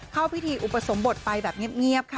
เข้าพิธีอุปสมบทไปแบบเงียบค่ะ